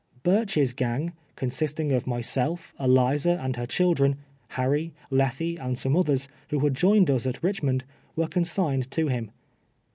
Burch's gang, consisting of myself, Eli za and her children, Harry, Letlie, and some othei s, who had joined us at Richmond, were consigned to him.